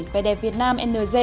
vẻ đẹp việt nam ng